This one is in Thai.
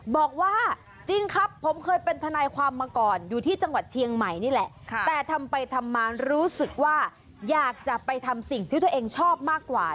บอกว่าจริงครับผมเคยเป็นทนายความมาก่อนอยู่ที่จังหวัดเชียงใหม่นี่แหละแต่ทำไปทำมารู้สึกว่าอยากจะไปทำสิ่งที่ตัวเองชอบมากกว่า